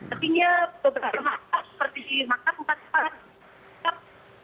artinya beberapa maktab seperti di maktab empat puluh empat maktab lima puluh dua maktab lima puluh tujuh